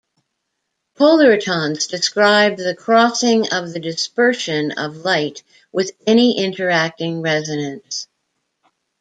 Polaritons describe the crossing of the dispersion of light with any interacting resonance.